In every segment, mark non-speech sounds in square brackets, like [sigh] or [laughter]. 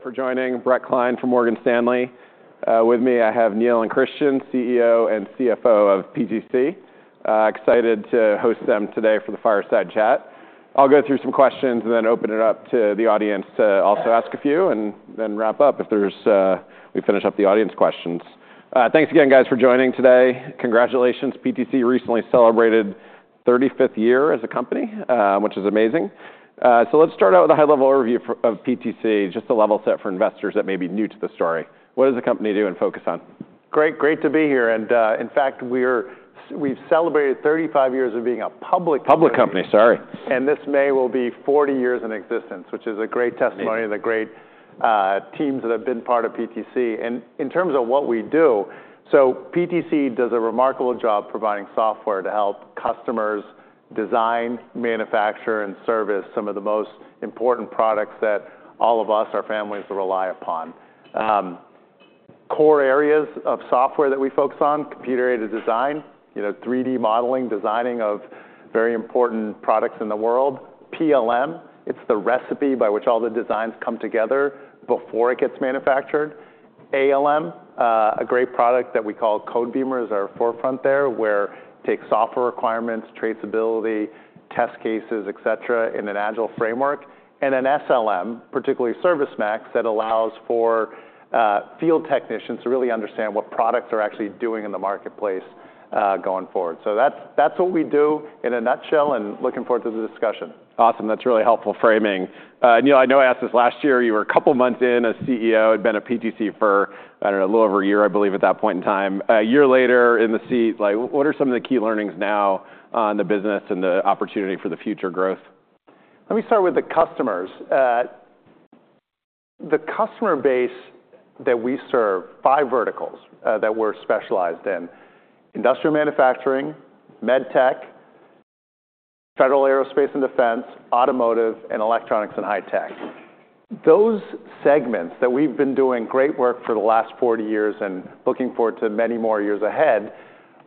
Everyone for joining. Brett Klein from Morgan Stanley. With me, I have Neil and Kristian, CEO and CFO of PTC. Excited to host them today for the Fireside Chat. I'll go through some questions and then open it up to the audience to also ask a few and then wrap up if we finish up the audience questions. Thanks again, guys, for joining today. Congratulations. PTC recently celebrated its 35th year as a company, which is amazing. So let's start out with a high-level overview of PTC, just a level set for investors that may be new to the story. What does the company do and focus on? Great, great to be here, and in fact, we've celebrated 35 years of being a public company. Public company, sorry. And this May will be 40 years in existence, which is a great testimony to the great teams that have been part of PTC. And in terms of what we do, so PTC does a remarkable job providing software to help customers design, manufacture, and service some of the most important products that all of us, our families, rely upon. Core areas of software that we focus on: computer-aided design, 3D modeling, designing of very important products in the world. PLM, it's the recipe by which all the designs come together before it gets manufactured. ALM, a great product that we call Codebeamer, is our forefront there, where it takes software requirements, traceability, test cases, et cetera, in an agile framework. And then SLM, particularly ServiceMax, that allows for field technicians to really understand what products are actually doing in the marketplace going forward. So that's what we do in a nutshell, and looking forward to the discussion. Awesome. That's really helpful framing. Neil, I know I asked this last year. You were a couple of months in as CEO, had been at PTC for, I don't know, a little over a year, I believe, at that point in time. A year later in the seat, what are some of the key learnings now on the business and the opportunity for the future growth? Let me start with the customers. The customer base that we serve, five verticals that we're specialized in: Industrial Manufacturing, MedTech, Federal, Aerospace and Defense, Automotive, and Electronics and High-Tech. Those segments that we've been doing great work for the last 40 years, and looking forward to many more years ahead,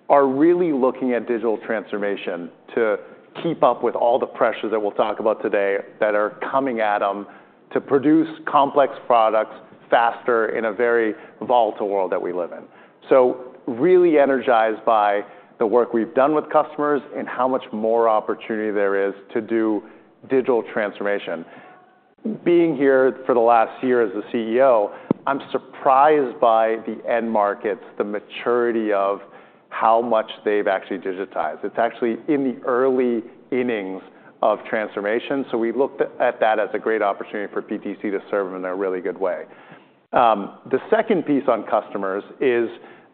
are really looking at digital transformation to keep up with all the pressures that we'll talk about today that are coming at them to produce complex products faster in a very volatile world that we live in. So really energized by the work we've done with customers and how much more opportunity there is to do digital transformation. Being here for the last year as the CEO, I'm surprised by the end markets, the maturity of how much they've actually digitized. It's actually in the early innings of transformation. So we've looked at that as a great opportunity for PTC to serve them in a really good way. The second piece on customers is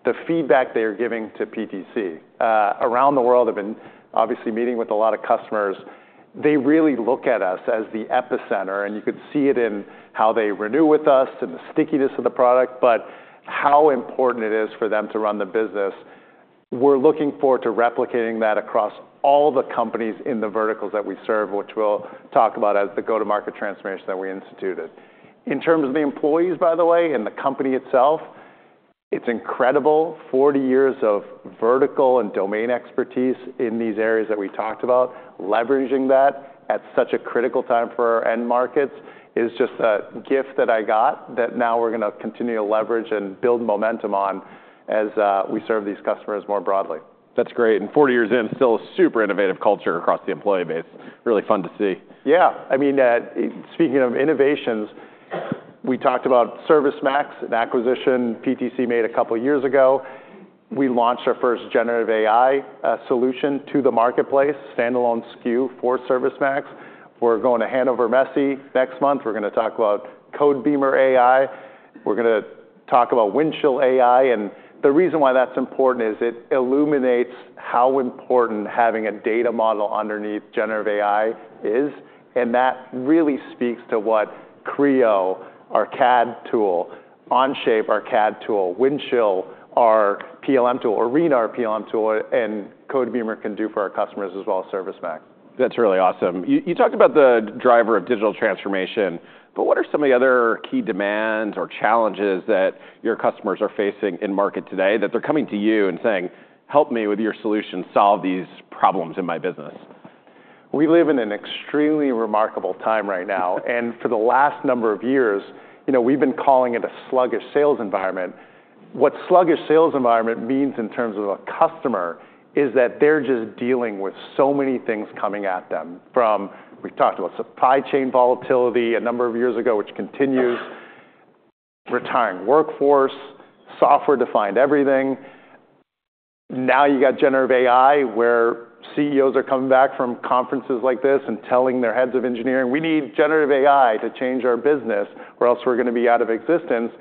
the feedback they are giving to PTC. Around the world, I've been obviously meeting with a lot of customers. They really look at us as the epicenter, and you could see it in how they renew with us and the stickiness of the product, but how important it is for them to run the business. We're looking forward to replicating that across all the companies in the verticals that we serve, which we'll talk about as the go-to-market transformation that we instituted. In terms of the employees, by the way, and the company itself, it's incredible. 40 years of vertical and domain expertise in these areas that we talked about, leveraging that at such a critical time for our end markets, is just a gift that I got that now we're going to continue to leverage and build momentum on as we serve these customers more broadly. That's great, and 40 years in, still a super innovative culture across the employee base. Really fun to see. Yeah. I mean, speaking of innovations, we talked about ServiceMax, an acquisition PTC made a couple of years ago. We launched our first generative AI solution to the marketplace, standalone SKU for ServiceMax. We're going to Hannover Messe next month. We're going to talk about Codebeamer AI. We're going to talk about Windchill AI. And the reason why that's important is it illuminates how important having a data model underneath generative AI is. And that really speaks to what Creo, our CAD tool, Onshape, our CAD tool, Windchill, our PLM tool, Arena, our PLM tool and Codebeamer can do for our customers, as well as ServiceMax. That's really awesome. You talked about the driver of digital transformation, but what are some of the other key demands or challenges that your customers are facing in market today that they're coming to you and saying, "Help me with your solution, solve these problems in my business"? We live in an extremely remarkable time right now, and for the last number of years, we've been calling it a sluggish sales environment. What sluggish sales environment means in terms of a customer is that they're just dealing with so many things coming at them, from we've talked about supply chain volatility a number of years ago, which continues, retiring workforce, software-defined everything. Now you've got generative AI where CEOs are coming back from conferences like this and telling their heads of engineering, "We need generative AI to change our business or else we're going to be out of existence,"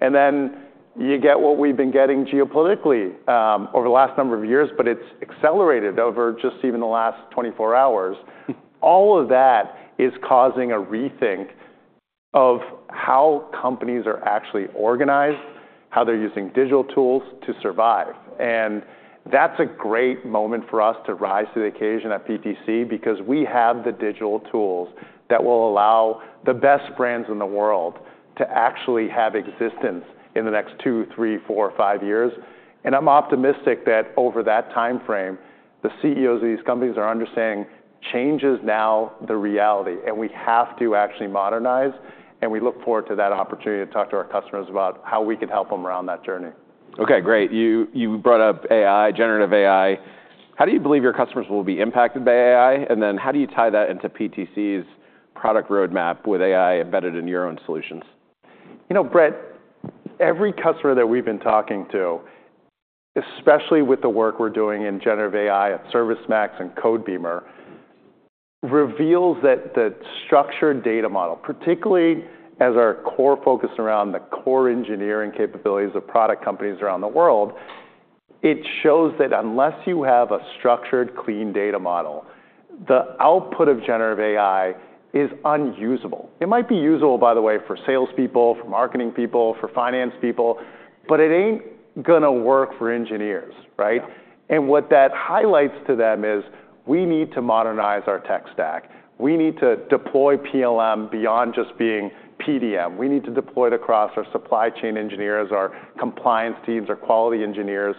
and then you get what we've been getting geopolitically over the last number of years, but it's accelerated over just even the last 24 hours. All of that is causing a rethink of how companies are actually organized, how they're using digital tools to survive. And that's a great moment for us to rise to the occasion at PTC because we have the digital tools that will allow the best brands in the world to actually have existence in the next 2, 3, 4, 5 years. And I'm optimistic that over that timeframe, the CEOs of these companies are understanding change is now the reality and we have to actually modernize. And we look forward to that opportunity to talk to our customers about how we can help them around that journey. Okay, great. You brought up AI, generative AI. How do you believe your customers will be impacted by AI? And then how do you tie that into PTC's product roadmap with AI embedded in your own solutions? You know, Brett, every customer that we've been talking to, especially with the work we're doing in generative AI at ServiceMax and Codebeamer, reveals that the structured data model, particularly as our core focus around the core engineering capabilities of product companies around the world, it shows that unless you have a structured, clean data model, the output of generative AI is unusable. It might be usable, by the way, for salespeople, for marketing people, for finance people, but it ain't going to work for engineers, right? And what that highlights to them is we need to modernize our tech stack. We need to deploy PLM beyond just being PDM. We need to deploy it across our supply chain engineers, our compliance teams, our quality engineers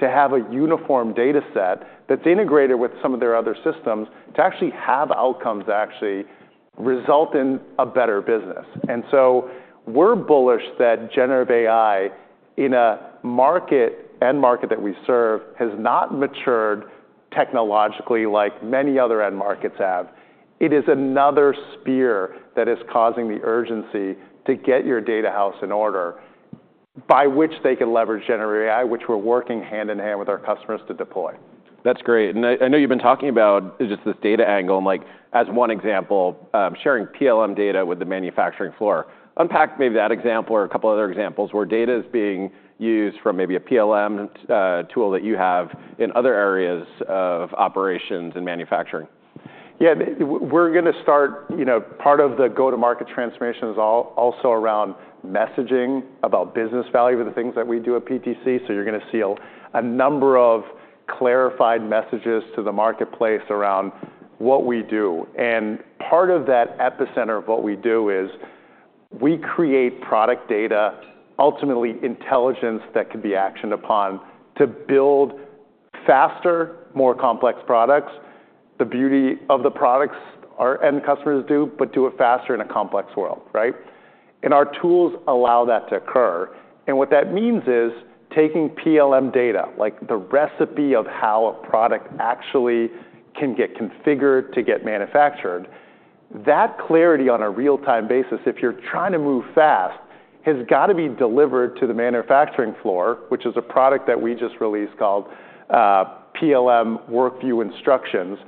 to have a uniform data set that's integrated with some of their other systems to actually have outcomes that actually result in a better business, and so we're bullish that generative AI in a market, end market that we serve, has not matured technologically like many other end markets have. It is another sphere that is causing the urgency to get your data house in order by which they can leverage generative AI, which we're working hand in hand with our customers to deploy. That's great. And I know you've been talking about just this data angle and as one example, sharing PLM data with the manufacturing floor. Unpack maybe that example or a couple of other examples where data is being used from maybe a PLM tool that you have in other areas of operations and manufacturing. Yeah, we're going to start. Part of the go-to-market transformation is also around messaging about business value of the things that we do at PTC. So you're going to see a number of clarified messages to the marketplace around what we do. And part of that epicenter of what we do is we create product data, ultimately intelligence that can be actioned upon to build faster, more complex products. The beauty of the products our end customers do, but do it faster in a complex world, right? And our tools allow that to occur. And what that means is taking PLM data, like the recipe of how a product actually can get configured to get manufactured, that clarity on a real-time basis, if you're trying to move fast, has got to be delivered to the manufacturing floor, which is a product that we just released called PLM WorkView Instructions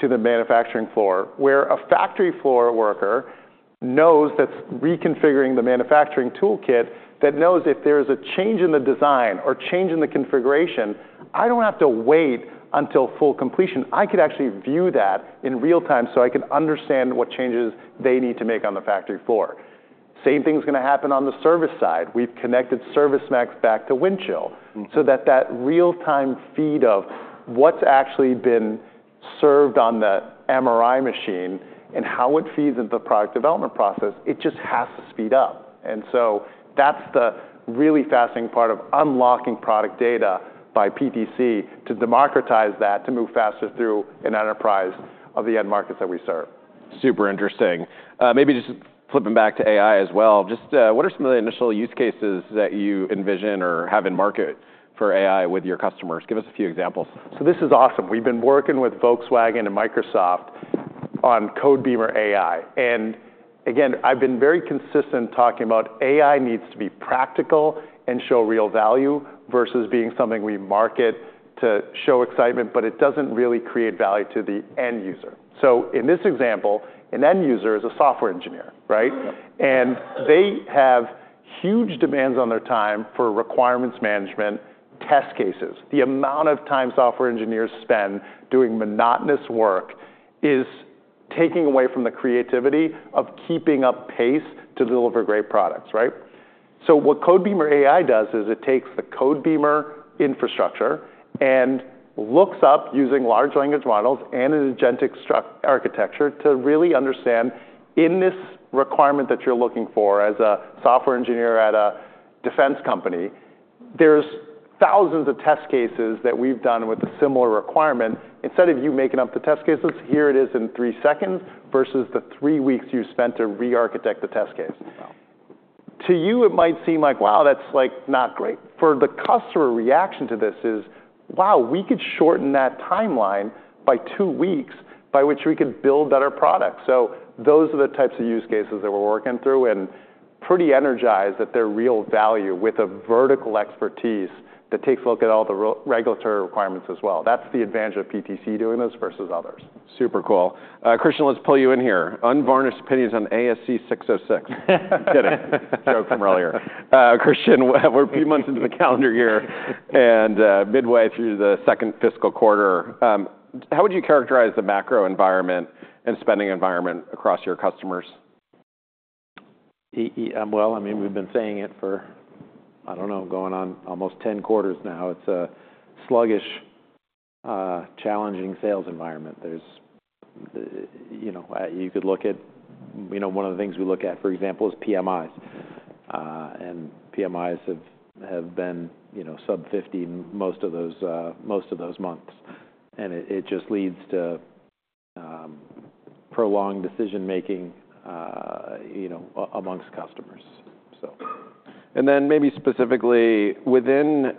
to the manufacturing floor where a factory floor worker knows that's reconfiguring the manufacturing toolkit that knows if there is a change in the design or change in the configuration, I don't have to wait until full completion. I could actually view that in real time so I can understand what changes they need to make on the factory floor. Same thing is going to happen on the service side. We've connected ServiceMax back to Windchill so that real-time feed of what's actually been served on the MRI machine and how it feeds into the product development process just has to speed up, and so that's the really fascinating part of unlocking product data by PTC to democratize that to move faster through an enterprise of the end markets that we serve. Super interesting. Maybe just flipping back to AI as well, just what are some of the initial use cases that you envision or have in market for AI with your customers? Give us a few examples. So this is awesome. We've been working with Volkswagen and Microsoft on Codebeamer AI. And again, I've been very consistent talking about AI needs to be practical and show real value versus being something we market to show excitement, but it doesn't really create value to the end user. So in this example, an end user is a software engineer, right? And they have huge demands on their time for requirements management, test cases. The amount of time software engineers spend doing monotonous work is taking away from the creativity of keeping up pace to deliver great products, right? So what Codebeamer AI does is it takes the Codebeamer infrastructure and looks up using large language models and an agentic architecture to really understand in this requirement that you're looking for as a software engineer at a defense company, there's thousands of test cases that we've done with a similar requirement. Instead of you making up the test cases, here it is in three seconds versus the three weeks you spent to re-architect the test case. To you, it might seem like, wow, that's not great. For the customer reaction to this is, wow, we could shorten that timeline by two weeks by which we could build better products. So those are the types of use cases that we're working through and pretty energized at their real value with a vertical expertise that takes a look at all the regulatory requirements as well. That's the advantage of PTC doing this versus others. Super cool. Kristian, let's pull you in here. Unvarnished opinions on ASC 606. Kidding. Joke from earlier. Kristian, we're a few months into the calendar year and midway through the second fiscal quarter. How would you characterize the macro environment and spending environment across your customers? I mean, we've been saying it for, I don't know, going on almost 10 quarters now. It's a sluggish, challenging sales environment. You could look at one of the things we look at, for example, is PMIs. And PMIs have been sub-50 most of those months. And it just leads to prolonged decision-making among customers. And then maybe specifically within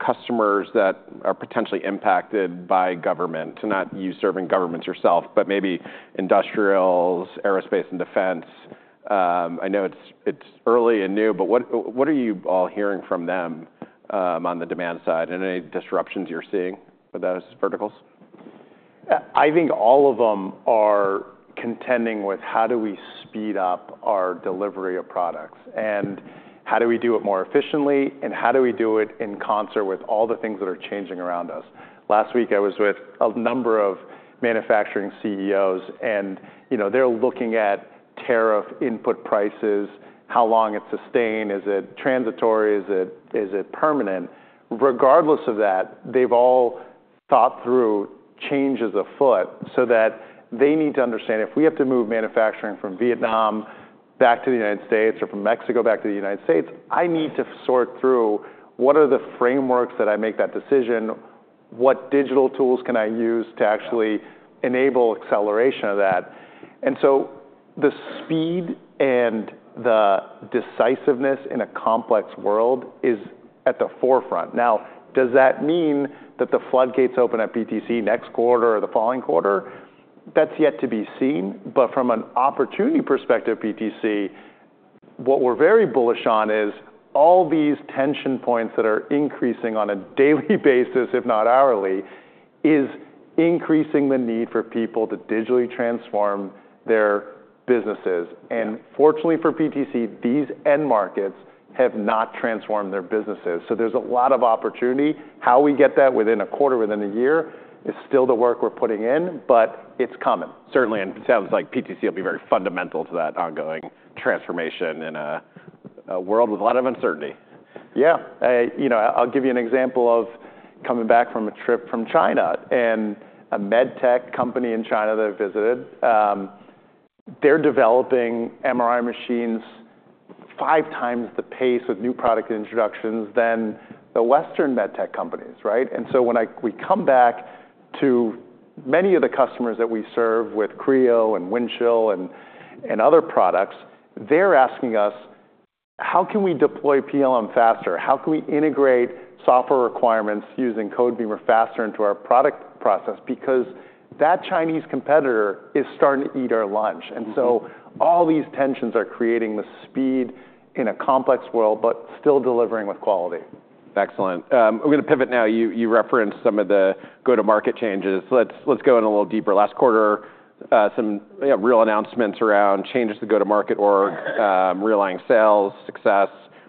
customers that are potentially impacted by government, not you serving governments yourself, but maybe industrials, aerospace, and defense. I know it's early and new, but what are you all hearing from them on the demand side and any disruptions you're seeing with those verticals? I think all of them are contending with how do we speed up our delivery of products and how do we do it more efficiently and how do we do it in concert with all the things that are changing around us. Last week, I was with a number of manufacturing CEOs and they're looking at tariff input prices, how long it's sustained, is it transitory, is it permanent. Regardless of that, they've all thought through changes afoot so that they need to understand if we have to move manufacturing from Vietnam back to the United States or from Mexico back to the United States. I need to sort through what are the frameworks that I make that decision, what digital tools can I use to actually enable acceleration of that, and so the speed and the decisiveness in a complex world is at the forefront. Now, does that mean that the floodgates open at PTC next quarter or the following quarter? That's yet to be seen. But from an opportunity perspective, PTC, what we're very bullish on is all these tension points that are increasing on a daily basis, if not hourly, is increasing the need for people to digitally transform their businesses. And fortunately for PTC, these end markets have not transformed their businesses. So there's a lot of opportunity. How we get that within a quarter, within a year is still the work we're putting in, but it's coming. Certainly, and it sounds like PTC will be very fundamental to that ongoing transformation in a world with a lot of uncertainty. Yeah. I'll give you an example of coming back from a trip from China and a MedTech company in China that I visited. They're developing MRI machines five times the pace with new product introductions than the Western MedTech companies, right? And so when we come back to many of the customers that we serve with Creo and Windchill and other products, they're asking us, how can we deploy PLM faster? How can we integrate software requirements using Codebeamer faster into our product process? Because that Chinese competitor is starting to eat our lunch. And so all these tensions are creating the speed in a complex world, but still delivering with quality. Excellent. I'm going to pivot now. You referenced some of the go-to-market changes. Let's go in a little deeper. Last quarter, some real announcements around changes to go-to-market org, real-time sales, success,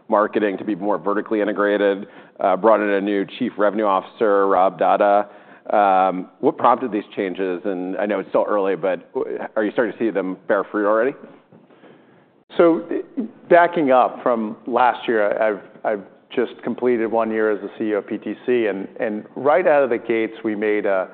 marketing to be more vertically integrated, brought in a new Chief Revenue Officer, Rob Dahdah. What prompted these changes? And I know it's still early, but are you starting to see them bear fruit already? So backing up from last year, I've just completed one year as the CEO of PTC. And right out of the gates, we made a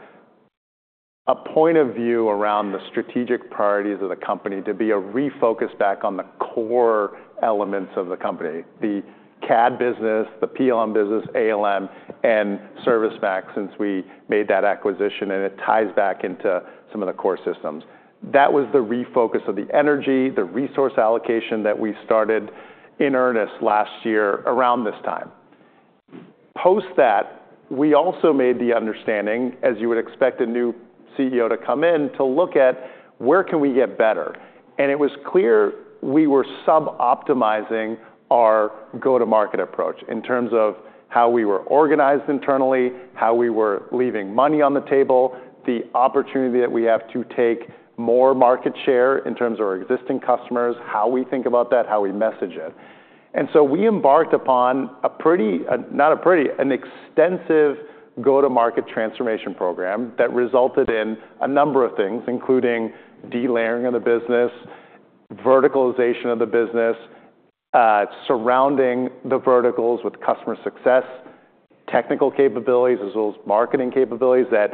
point of view around the strategic priorities of the company to be refocused back on the core elements of the company, the CAD business, the PLM business, ALM, and ServiceMax since we made that acquisition. And it ties back into some of the core systems. That was the refocus of the energy, the resource allocation that we started in earnest last year around this time. Post that, we also made the understanding, as you would expect a new CEO to come in, to look at where can we get better. And it was clear we were sub-optimizing our go-to-market approach in terms of how we were organized internally, how we were leaving money on the table, the opportunity that we have to take more market share in terms of our existing customers, how we think about that, how we message it. And so we embarked upon a pretty, not a pretty, an extensive go-to-market transformation program that resulted in a number of things, including de-layering of the business, verticalization of the business, surrounding the verticals with customer success, technical capabilities as well as marketing capabilities that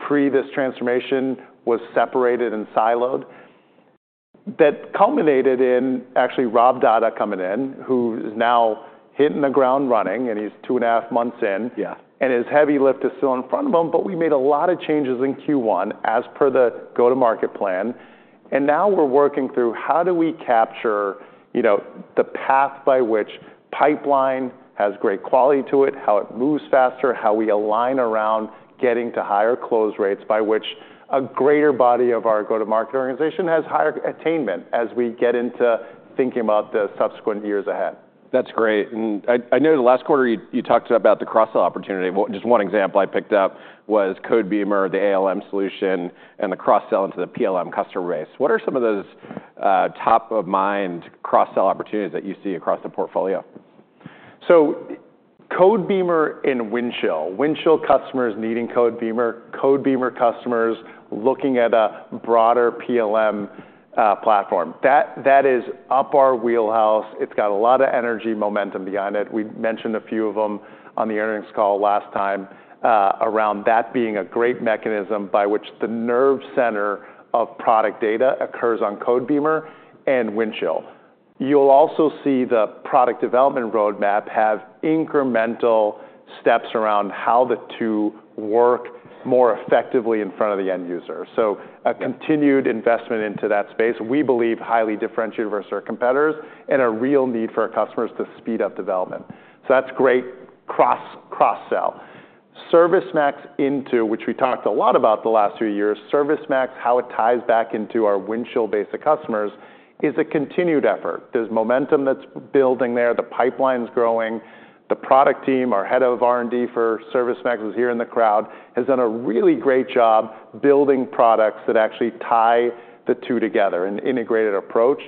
pre this transformation was separated and siloed, that culminated in actually Rob Dahdah coming in, who is now hitting the ground running and he's two and a half months in. And his heavy lift is still in front of him, but we made a lot of changes in Q1 as per the go-to-market plan. And now we're working through how do we capture the path by which pipeline has great quality to it, how it moves faster, how we align around getting to higher close rates by which a greater body of our go-to-market organization has higher attainment as we get into thinking about the subsequent years ahead. That's great. And I know the last quarter you talked about the cross-sell opportunity. Just one example I picked up was Codebeamer, the ALM solution, and the cross-sell into the PLM customer base. What are some of those top-of-mind cross-sell opportunities that you see across the portfolio? So Codebeamer and Windchill. Windchill customers needing Codebeamer, Codebeamer customers looking at a broader PLM platform. That is up our wheelhouse. It's got a lot of energy momentum behind it. We mentioned a few of them on the earnings call last time around, that being a great mechanism by which the nerve center of product data occurs on Codebeamer and Windchill. You'll also see the product development roadmap have incremental steps around how the two work more effectively in front of the end user. So a continued investment into that space, we believe highly differentiated versus our competitors and a real need for our customers to speed up development. So that's great cross-sell. ServiceMax into, which we talked a lot about the last few years, ServiceMax, how it ties back into our Windchill-based customers is a continued effort. There's momentum that's building there. The pipeline's growing. The product team, our head of R&D for ServiceMax is here in the crowd, has done a really great job building products that actually tie the two together and integrate an approach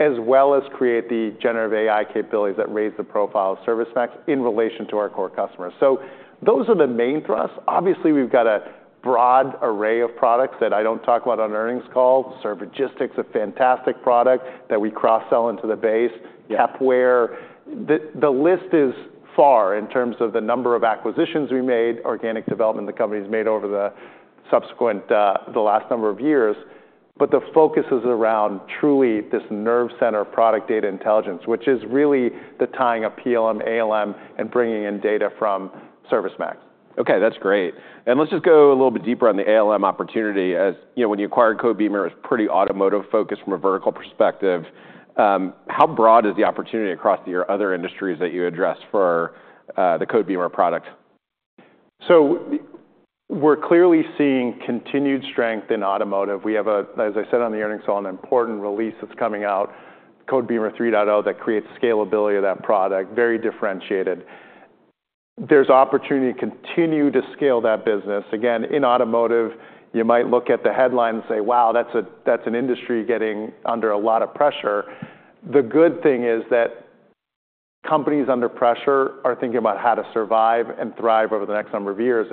as well as create the generative AI capabilities that raise the profile of ServiceMax in relation to our core customers. So those are the main thrusts. Obviously, we've got a broad array of products that I don't talk about on earnings calls. Servigistics is a fantastic product that we cross-sell into the base, Kepware. The list is far in terms of the number of acquisitions we made, organic development the company's made over the subsequent last number of years. But the focus is around truly this nerve center of product data intelligence, which is really the tying of PLM, ALM, and bringing in data from ServiceMax. Okay, that's great, and let's just go a little bit deeper on the ALM opportunity. When you acquired Codebeamer, it was pretty Automotive-focused from a vertical perspective. How broad is the opportunity across your other industries that you address for the Codebeamer product? We're clearly seeing continued strength in Automotive. We have a, as I said on the earnings call, important release that's coming out, Codebeamer 3.0, that creates scalability of that product, very differentiated. There's opportunity to continue to scale that business. Again, in Automotive, you might look at the headline and say, wow, that's an industry getting under a lot of pressure. The good thing is that companies under pressure are thinking about how to survive and thrive over the next number of years.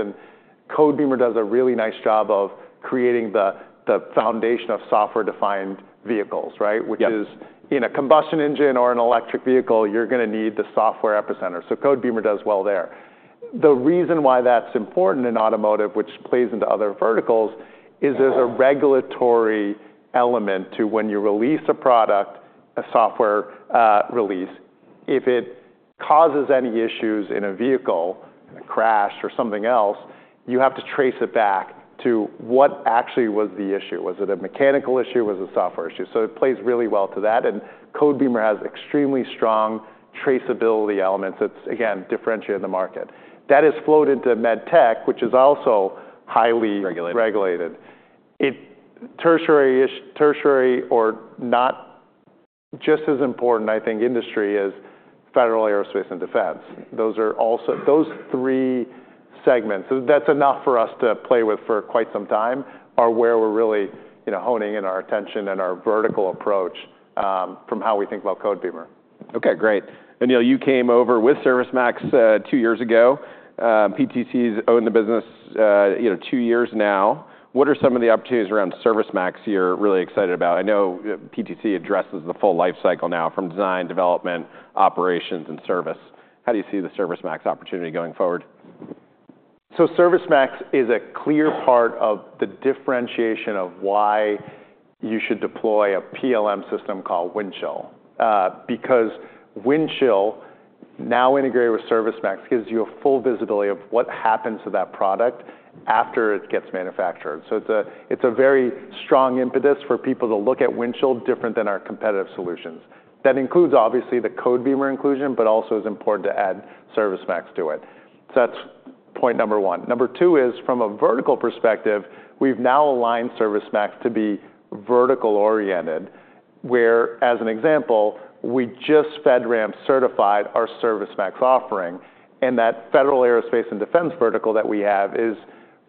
Codebeamer does a really nice job of creating the foundation of software-defined vehicles, right? Which is, in a combustion engine or an electric vehicle, you're going to need the software epicenter. Codebeamer does well there. The reason why that's important in Automotive, which plays into other verticals, is there's a regulatory element to when you release a product, a software release. If it causes any issues in a vehicle, a crash or something else, you have to trace it back to what actually was the issue. Was it a mechanical issue? Was it a software issue? So it plays really well to that. And Codebeamer has extremely strong traceability elements that's, again, differentiated in the market. That has flowed into MedTech, which is also highly regulated. Tertiary or not just as important, I think, industry is Federal, Aerospace and Defense. Those three segments, that's enough for us to play with for quite some time, are where we're really honing in our attention and our vertical approach from how we think about Codebeamer. Okay, great. And Neil, you came over with ServiceMax 2 years ago. PTC's owned the business two years now. What are some of the opportunities around ServiceMax you're really excited about? I know PTC addresses the full lifecycle now from design, development, operations, and service. How do you see the ServiceMax opportunity going forward? ServiceMax is a clear part of the differentiation of why you should deploy a PLM system called Windchill. Because Windchill, now integrated with ServiceMax, gives you a full visibility of what happens to that product after it gets manufactured. So it's a very strong impetus for people to look at Windchill different than our competitive solutions. That includes, obviously, the Codebeamer inclusion, but also it's important to add ServiceMax to it. So that's point number one. Number two is from a vertical perspective, we've now aligned ServiceMax to be vertical-oriented, where, as an example, we just FedRAMP certified our ServiceMax offering. And that Federal, Aerospace and Defense vertical that we have is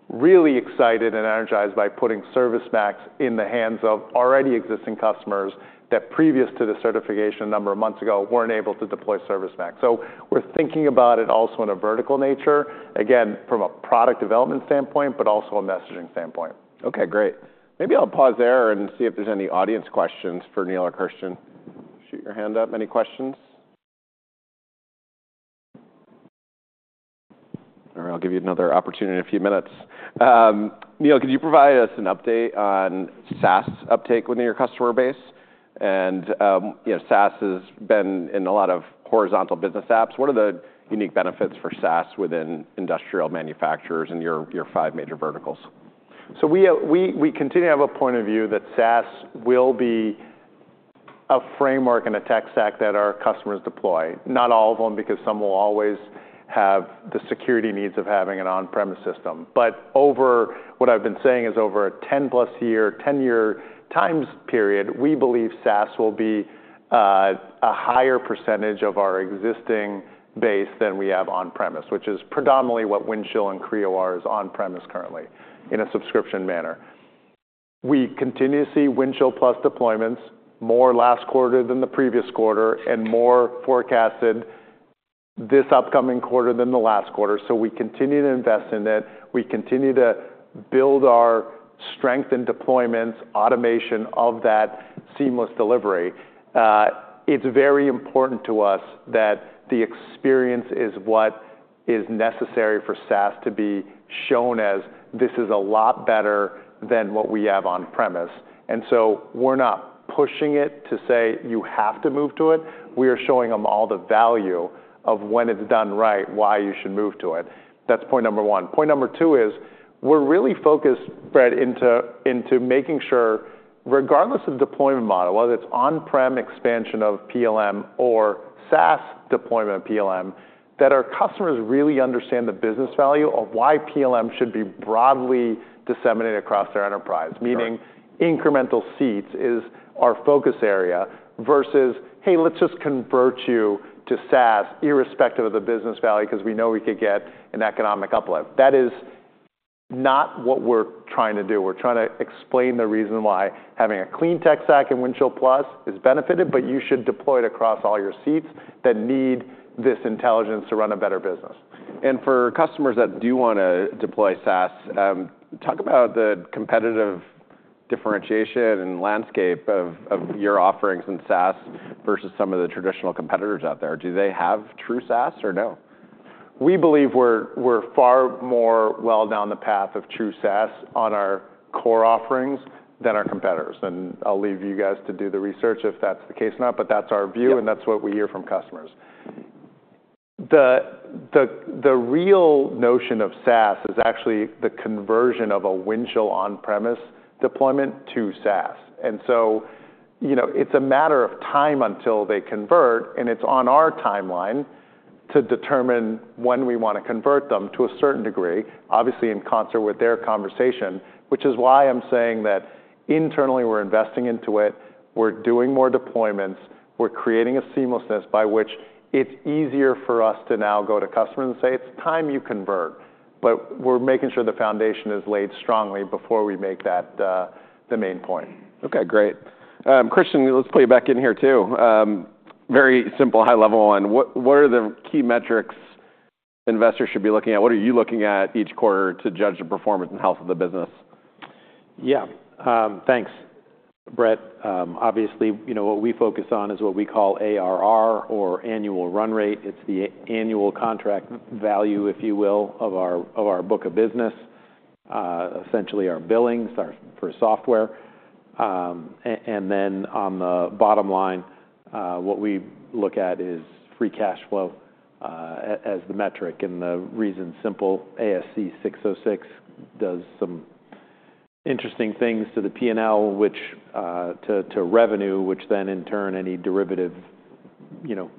really excited and energized by putting ServiceMax in the hands of already existing customers that, previous to the certification a number of months ago, weren't able to deploy ServiceMax.We're thinking about it also in a vertical nature, again, from a product development standpoint, but also a messaging standpoint. Okay, great. Maybe I'll pause there and see if there's any audience questions for Neil or Kristian. Shoot your hand up. Any questions? All right, I'll give you another opportunity in a few minutes. Neil, could you provide us an update on SaaS uptake within your customer base? And SaaS has been in a lot of horizontal business apps. What are the unique benefits for SaaS within industrial manufacturers in your five major verticals? So we continue to have a point of view that SaaS will be a framework and a tech stack that our customers deploy. Not all of them, because some will always have the security needs of having an on-premise system. But over what I've been saying is over a 10-plus year, 10-year time period, we believe SaaS will be a higher percentage of our existing base than we have on-premise, which is predominantly what Windchill and Creo are as on-premise currently in a subscription manner. We continue to see Windchill+ deployments, more last quarter than the previous quarter, and more forecasted this upcoming quarter than the last quarter. So we continue to invest in it. We continue to build our strength and deployments, automation of that seamless delivery. It's very important to us that the experience is what is necessary for SaaS to be shown as this is a lot better than what we have on-premise. And so we're not pushing it to say you have to move to it. We are showing them all the value of when it's done right, why you should move to it. That's point number one. Point number two is we're really focused, Brett, into making sure, regardless of the deployment model, whether it's on-prem expansion of PLM or SaaS deployment of PLM, that our customers really understand the business value of why PLM should be broadly disseminated across their enterprise, meaning incremental seats is our focus area versus, hey, let's just convert you to SaaS irrespective of the business value because we know we could get an economic uplift. That is not what we're trying to do. We're trying to explain the reason why having a clean tech stack in Windchill+ is benefited, but you should deploy it across all your seats that need this intelligence to run a better business. And for customers that do want to deploy SaaS, talk about the competitive differentiation and landscape of your offerings in SaaS versus some of the traditional competitors out there. Do they have true SaaS or no? We believe we're far more well down the path of true SaaS on our core offerings than our competitors, and I'll leave you guys to do the research if that's the case or not, but that's our view and that's what we hear from customers. The real notion of SaaS is actually the conversion of a Windchill on-premise deployment to SaaS, and so it's a matter of time until they convert, and it's on our timeline to determine when we want to convert them to a certain degree, obviously in concert with their conversation, which is why I'm saying that internally we're investing into it, we're doing more deployments, we're creating a seamlessness by which it's easier for us to now go to customers and say, it's time you convert, but we're making sure the foundation is laid strongly before we make that the main point. Okay, great. Kristian, let's play you back in here, too. Very simple, high-level one. What are the key metrics investors should be looking at? What are you looking at each quarter to judge the performance and health of the business? Yeah, thanks, Brett. Obviously, what we focus on is what we call ARR or annual run rate. It's the annual contract value, if you will, of our book of business, essentially our billings for software, and then on the bottom line, what we look at is free cash flow as the metric, and the reason is simple. ASC 606 does some interesting things to the P&L and to revenue, which then in turn affects any derivative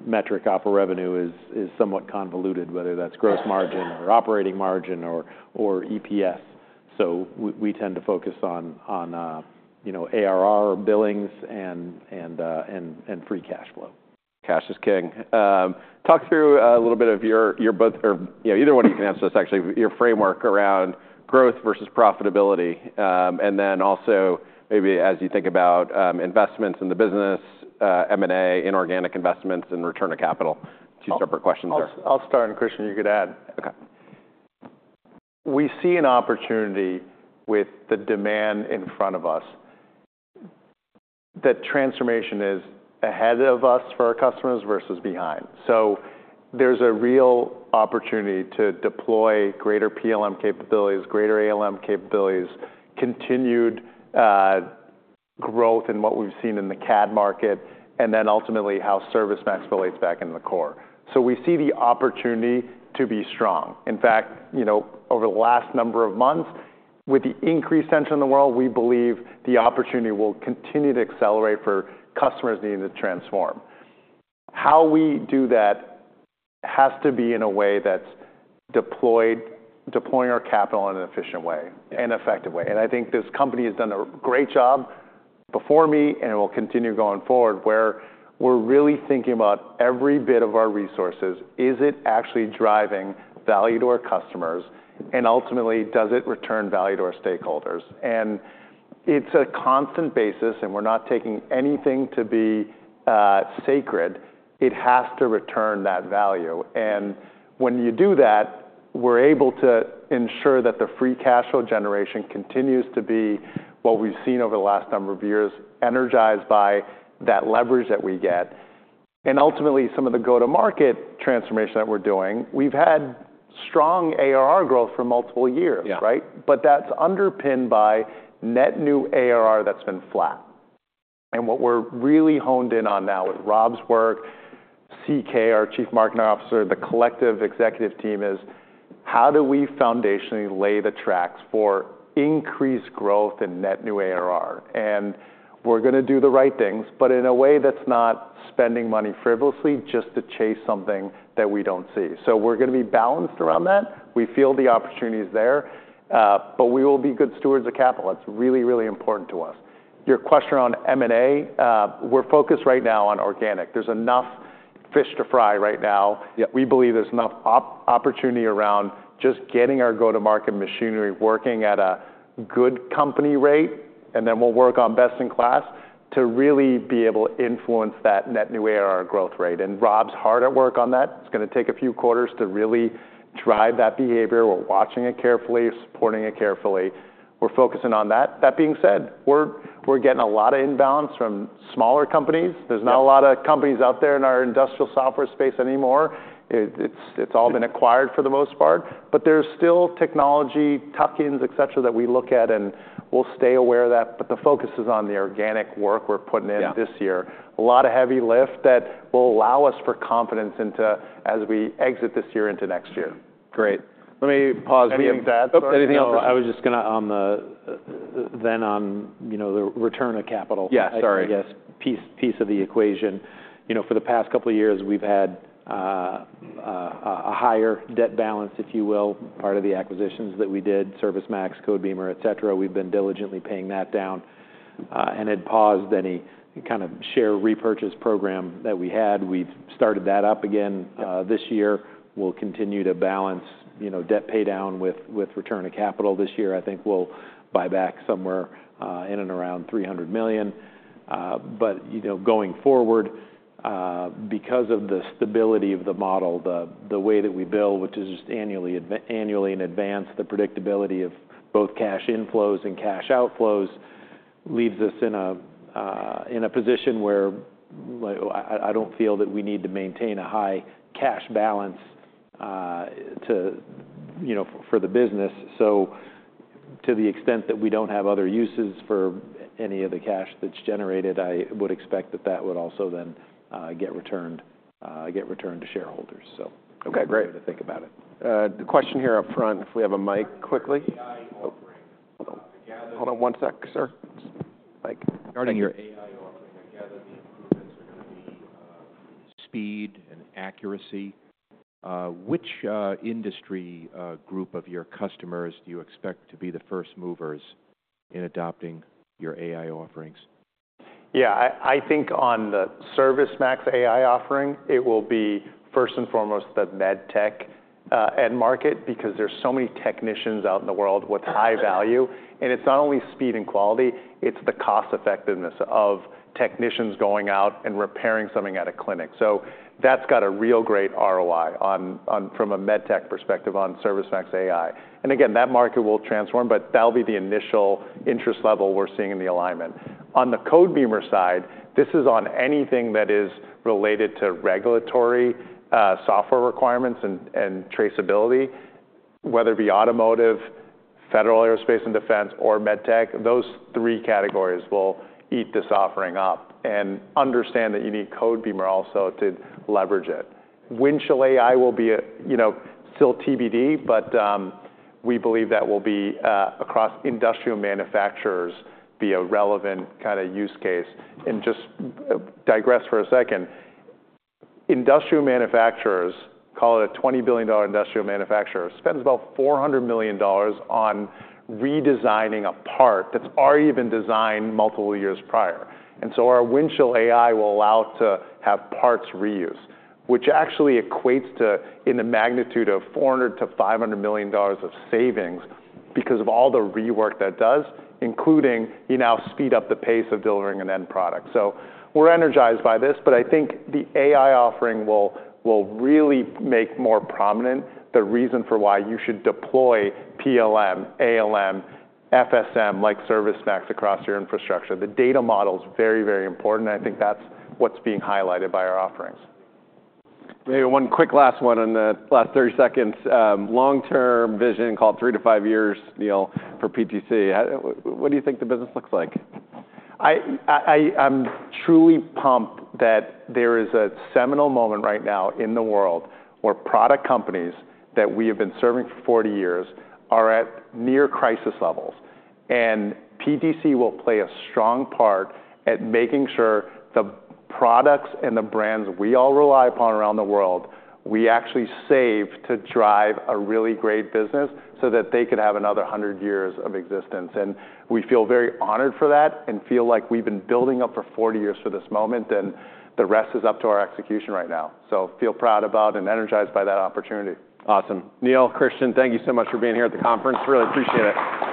metric off of revenue, which is somewhat convoluted, whether that's gross margin or operating margin, or EPS, so we tend to focus on ARR billings, and free cash flow. Cash is king. Talk through a little bit of your, either one of you can answer this, actually, your framework around growth versus profitability, and then also maybe as you think about investments in the business, M&A, inorganic investments, and return to capital. Two separate questions there. I'll start, and Kristian, you could add. Okay. We see an opportunity with the demand in front of us that transformation is ahead of us for our customers versus behind. So there's a real opportunity to deploy greater PLM capabilities, greater ALM capabilities, continued growth in what we've seen in the CAD market, and then ultimately how ServiceMax relates back into the core. So we see the opportunity to be strong. In fact, over the last number of months, with the increased tension in the world, we believe the opportunity will continue to accelerate for customers needing to transform. How we do that has to be in a way that's deploying our capital in an efficient way and effective way. And I think this company has done a great job before me and will continue going forward, where we're really thinking about every bit of our resources. Is it actually driving value to our customers? Ultimately, does it return value to our stakeholders? It's a constant basis, and we're not taking anything to be sacred. It has to return that value. When you do that, we're able to ensure that the free cash flow generation continues to be what we've seen over the last number of years, energized by that leverage that we get. Ultimately, some of the go-to-market transformation that we're doing, we've had strong ARR growth for multiple years, right? But that's underpinned by net new ARR that's been flat. What we're really honed in on now with Rob's work, CK, our Chief Marketing Officer, the collective executive team is how do we foundationally lay the tracks for increased growth in net new ARR? And we're going to do the right things, but in a way that's not spending money frivolously just to chase something that we don't see. So we're going to be balanced around that. We feel the opportunities there, but we will be good stewards of capital. That's really, really important to us. Your question around M&A, we're focused right now on organic. There's enough fish to fry right now. We believe there's enough opportunity around just getting our go-to-market machinery working at a good company rate, and then we'll work on best in class to really be able to influence that net new ARR growth rate. And Rob's hard at work on that. It's going to take a few quarters to really drive that behavior. We're watching it carefully, supporting it carefully. We're focusing on that. That being said, we're getting a lot of inbounds from smaller companies. There's not a lot of companies out there in our industrial software space anymore. It's all been acquired for the most part, but there's still technology, tuck-ins, et cetera, that we look at, and we'll stay aware of that, but the focus is on the organic work we're putting in this year. A lot of heavy lifting that will allow us for confidence as we exit this year into next year. Great. Let me pause [crosstalk] on that. Anything else? I was just going to then on the return of capital. Yeah, sorry. I guess piece of the equation. For the past couple of years, we've had a higher debt balance, if you will, part of the acquisitions that we did, ServiceMax, Codebeamer, et cetera. We've been diligently paying that down. It paused any kind of share repurchase program that we had. We've started that up again this year. We'll continue to balance debt pay down with return to capital this year. I think we'll buy back somewhere in and around $300 million. But going forward, because of the stability of the model, the way that we build, which is just annually in advance, the predictability of both cash inflows and cash outflows leaves us in a position where I don't feel that we need to maintain a high cash balance for the business. So, to the extent that we don't have other uses for any of the cash that's generated, I would expect that that would also then get returned to shareholders. Okay, great. [inaudible] The question here up front if we have a mic quickly. Hold on one sec, sir. [crosstalk] Regarding your AI offering, I gather the improvements are going to be speed and accuracy. Which industry group of your customers do you expect to be the First Movers in adopting your AI offerings? Yeah, I think on the ServiceMax AI offering, it will be first and foremost the MedTech end market because there's so many technicians out in the world with high value. And it's not only speed and quality, it's the cost-effectiveness of technicians going out and repairing something at a clinic. So that's got a real great ROI from a MedTech perspective on ServiceMax AI. And again, that market will transform, but that'll be the initial interest level we're seeing in the alignment. On the Codebeamer side, this is on anything that is related to regulatory software requirements and traceability, whether it be Automotive, Federal, Aerospace and Defense, or MedTech. Those three categories will eat this offering up and understand that you need Codebeamer also to leverage it. Windchill AI will be still TBD, but we believe that will be across industrial manufacturers to be a relevant kind of use case, and just to digress for a second, industrial manufacturers, call it a $20 billion industrial manufacturer, spends about $400 million on redesigning a part that's already been designed multiple years prior. And so our Windchill AI will allow to have parts reused, which actually equates to, in the magnitude of $400 million-$500 million of savings because of all the rework that does, including you know speed up the pace of delivering an end product, so we're energized by this, but I think the AI offering will really make more prominent the reason for why you should deploy PLM, ALM, FSM like ServiceMax across your infrastructure. The data model is very, very important. I think that's what's being highlighted by our offerings. Maybe one quick last one in the last 30 seconds. Long-term vision called 3-5 years for PTC. What do you think the business looks like? I'm truly pumped that there is a seminal moment right now in the world where product companies that we have been serving for 40 years are at near crisis levels, and PTC will play a strong part at making sure the products and the brands we all rely upon around the world, we actually save to drive a really great business so that they could have another 100 years of existence, and we feel very honored for that and feel like we've been building up for 40 years for this moment, and the rest is up to our execution right now, so feel proud about and energized by that opportunity. Awesome. Neil, Christian, thank you so much for being here at the conference. Really appreciate it.